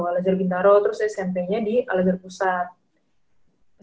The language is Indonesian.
al azhar bintaro terus smpnya di al azhar pusat